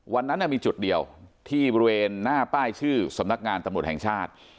วันนั้นมีจุดเดียวที่บริเวณหน้าป้ายชื่อสำนักงานตำรวจแห่งชาติ